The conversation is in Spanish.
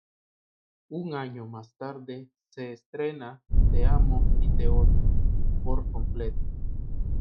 Un año más tarde, se estrena "Te amo y te odio... por completo".